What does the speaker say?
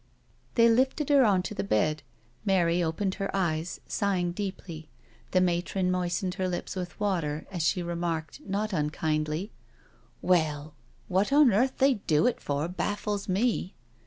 *' They lifted her on to the bed. Mary opened her eyeS| sighing deeply. The matron moistened her lips with water, as she remarked not unkindly: •• Well— what on earth they do it for bafHes me."